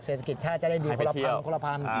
เศรษฐกิจชาติจะได้ดีกว่าคนละพัน